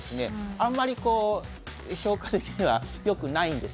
あんまりこう評価的にはよくないんです。